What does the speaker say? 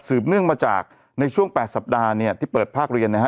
เนื่องมาจากในช่วง๘สัปดาห์เนี่ยที่เปิดภาคเรียนนะฮะ